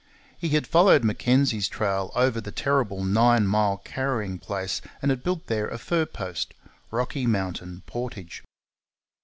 He had followed Mackenzie's trail over the terrible nine mile carrying place and had built there a fur post Rocky Mountain Portage.